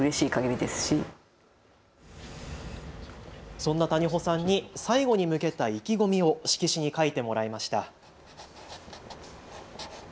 そんな谷保さんに最後に向けた意気込みを色紙に書いてもらいました。